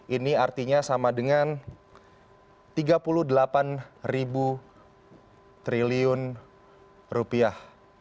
ini artinya sama dengan tiga puluh delapan ribu triliun rupiah